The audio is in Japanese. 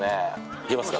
いけますか？